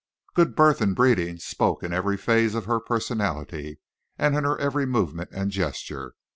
Good birth and breeding spoke in every phase of her personality, and in her every movement and gesture.